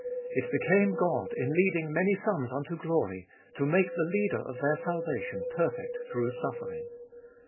It became God, in leading many sons unto glory, to make the Leader of their salvation perfect through suffering.